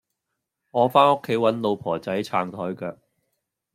我返屋企搵老婆仔撐枱腳